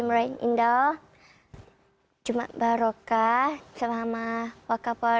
anchella wadit rayya indal timran indal jumaat baraka selamat mahamah walker power